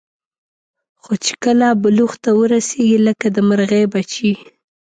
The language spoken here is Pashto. خو چې کله بلوغ ته ورسېږي لکه د مرغۍ بچي.